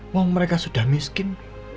mereka sudah miskin